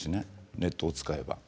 ネットを使えば。